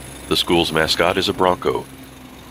The school's mascot is a Bronco.